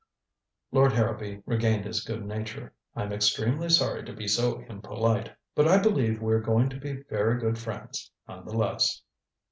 Lord Harrowby regained his good nature. "I'm extremely sorry to be so impolite. But I believe we're going to be very good friends, none the less."